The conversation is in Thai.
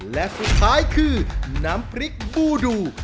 และสุดท้ายคือน้ำพริกบูดู